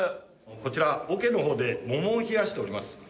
こちらおけの方でモモを冷やしております。